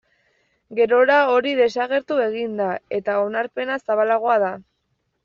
Gerora hori desagertu egin da eta onarpena zabalagoa da.